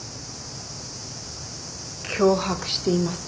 脅迫しています？